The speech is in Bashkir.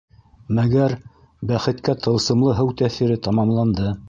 Мәгәр, бәхеткә, тылсымлы һыу тәьҫире тамамланды.